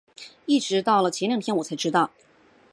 一直到了前两天我才知道